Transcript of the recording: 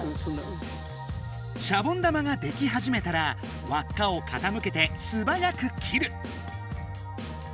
シャボン玉が出来はじめたらわっかをかたむけてすばやく切る。